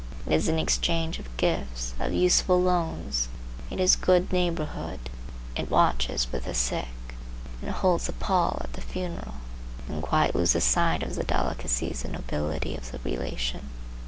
It is an exchange of gifts, of useful loans; it is good neighborhood; it watches with the sick; it holds the pall at the funeral; and quite loses sight of the delicacies and nobility of the relation.